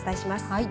はい。